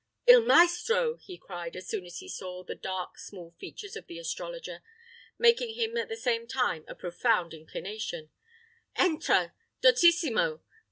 "Il maestro," cried he, as soon as he saw the dark small features of the astrologer, making him at the same time a profound inclination, "entra, dottissimo!